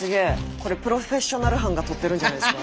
これ「プロフェッショナル」班が撮ってるんじゃないですか？